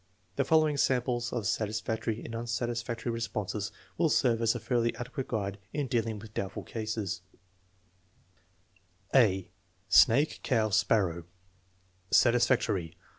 The following samples of satis factory and unsatisfactory responses will serve as a fairly adequate guide in dealing with doubtful cases: (a) Snake, cow, sparrow Satisfactory.